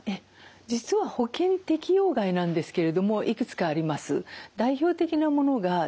実は保険適用外なんですけれどもいくつかあります。